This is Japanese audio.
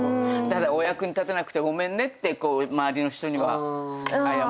お役に立てなくてごめんねって周りの人には謝るけど。